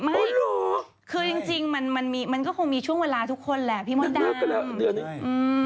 ไม่คือจริงมันมีมันก็คงมีช่วงเวลาทุกคนแหละพี่มดดำ